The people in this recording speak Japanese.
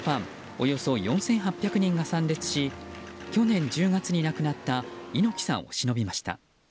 およそ４８００人が参列し去年１０月に亡くなった猪木さんをしのびました。